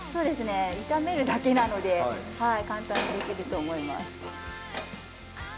炒めるだけなので簡単にできると思います。